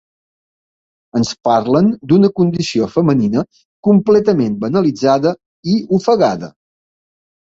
Ens parlen d'una condició femenina completament banalitzada i ofegada.